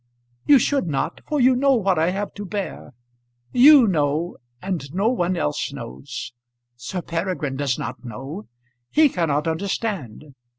"You should not, for you know what I have to bear. You know, and no one else knows. Sir Peregrine does not know. He cannot understand.